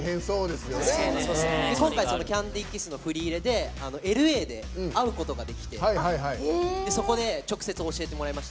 今回「ＣａｎｄｙＫｉｓｓ」の振り入れでＬＡで会うことができてそこで直接教えてもらいました。